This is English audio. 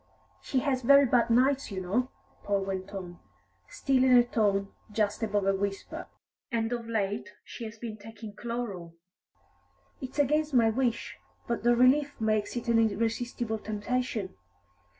"She has very bad nights, you know," Paul went on, still in a tone just above a whisper, "and of late she has been taking chloral. It's against my wish, but the relief makes it an irresistible temptation.